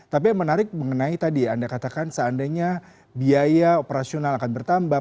tapi yang menarik mengenai tadi anda katakan seandainya biaya operasional akan bertambah